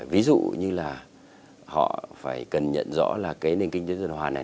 ví dụ như là họ phải cần nhận rõ là cái nền kinh tế tuần hoàn này